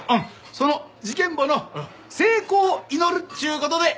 その『事件簿』の成功を祈るっちゅう事で乾杯！